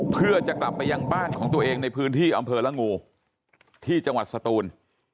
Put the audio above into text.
เพื่อจะกลับไปยังบ้านของตัวเองในพื้นที่อำเภอละงูที่จังหวัดสตูน